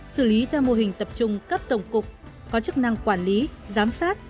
xử lý theo mô hình tập trung cấp tổng cục có chức năng quản lý giám sát